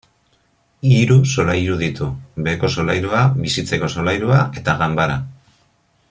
Hiru solairu ditu: beheko solairua, bizitzeko solairua eta ganbara.